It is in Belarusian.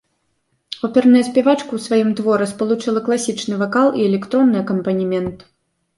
Оперная спявачка ў сваім творы спалучыла класічны вакал і электронны акампанемент.